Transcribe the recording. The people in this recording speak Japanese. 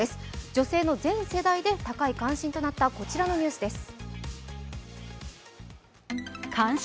女性の全世代で高い関心となった、こちらのニュースです。